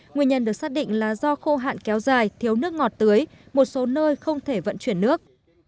nguyên nhân được xác định là do khô hạn kéo dài thiếu nước ngọt tưới một số nơi không thể vận chuyển nước